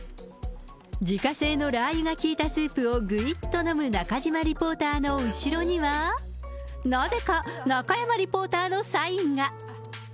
自家製のラー油が効いたスープをぐいっと飲む中島リポーターの後ろには、なぜか中山リポーターのサインが。